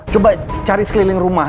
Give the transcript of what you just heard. coba cari sekeliling rumah